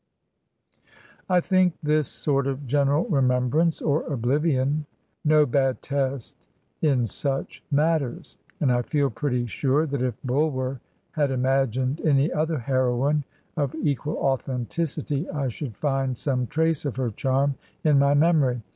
I think this sort of general remembrance or oblivion no bad test in such matters, and I fed pretty sure that if Bulwer had imagined any other heroine of equsil authenticity I should find some trace of her charm in my memory.